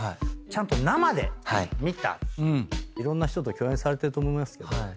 ちゃんと生で見たいろんな人と共演されてると思いますけど。